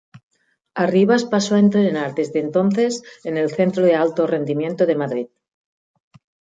Arribas pasó a entrenar desde entonces en el Centro de Alto Rendimiento de Madrid.